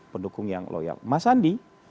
pendukung yang loyal mas andi